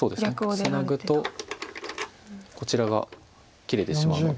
ツナぐとこちらが切れてしまうので。